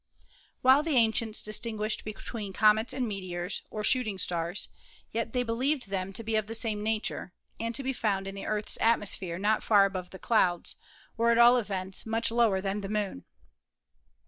While the ancients distinguished between comets and meteors, or shooting stars, yet they believed them to be of the same nature, and to be found in the Earth's atmos phere not far above the clouds, or at all events much lower than the Moon.